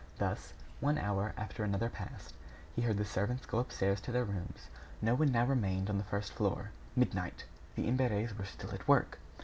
Thus, one hour after another passed away. He heard the servants go upstairs to their rooms. No one now remained on the first floor. Midnight! The Imberts were still at work.